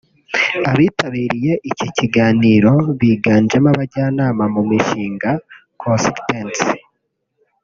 Abitabiriye iki kiganiro biganjemo abajyanama ku mishinga (consultants)